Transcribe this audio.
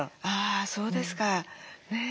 あそうですか。